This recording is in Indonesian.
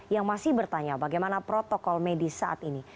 yang masih bertanya bagaimana protokol medis saat ini